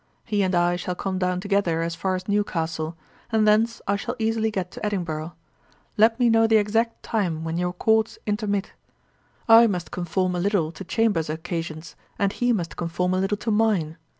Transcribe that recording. He and I shall come down together as far as Newcastle, and thence I shall easily get to Edinburgh. Let me know the exact time when your Courts intermit. I must conform a little to Chambers's occasions, and he must conform a little to mine.